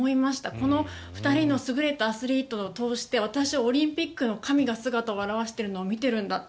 この２人の優れたアスリートを通して私、オリンピックの神が姿を現しているのを見ているんだと。